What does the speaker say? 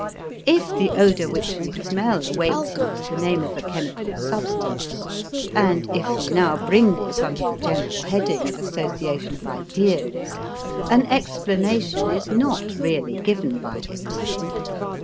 If the odor which we smell awakes in us the name of a chemical substance, and if we now bring this under the general heading of association of ideas, an explanation is not really given by it.